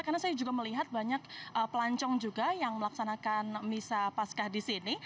karena saya juga melihat banyak pelancong juga yang melaksanakan misa pascah di sini